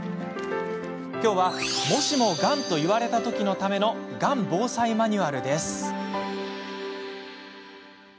今日は、もしもがんと言われた時のためのがん防災マニュアルです。